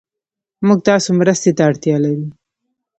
موږ تاسو مرستې ته اړتيا لرو